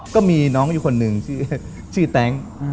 ก็มีน้องอยู่คนหนึ่งชื่อแต๊ง